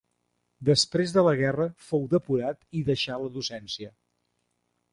Després de la guerra fou depurat i deixà la docència.